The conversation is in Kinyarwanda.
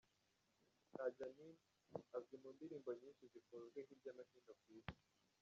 Khadja Nin azwi mu ndirimbo nyinshi zikunzwe hirya no hino ku Isi.